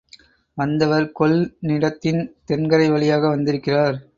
வந்தவர் கொள்னிடத்தின் தென் கரைவழியாக வந்திருக்கிறார்.